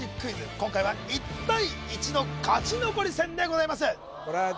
今回は１対１の勝ち残り戦でございます